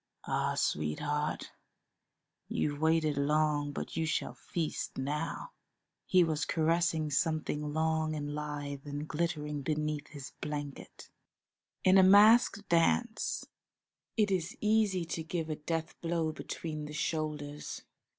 Ah, sweetheart, you've waited long, but you shall feast now!" He was caressing something long and lithe and glittering beneath his blanket. In a masked dance it is easy to give a death blow between the shoulders.